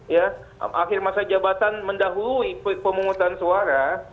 ya akhir masa jabatan mendahului pemungutan suara